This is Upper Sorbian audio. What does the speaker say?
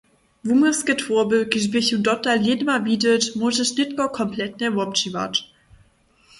Wuměłske twórby, kiž běchu dotal lědma widźeć, móžeš nětko kompletnje wobdźiwać.